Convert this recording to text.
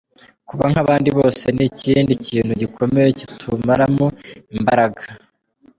Kuba nk’abandi bose ni ikindi kintu gikomeye kitumaramo imbaraga.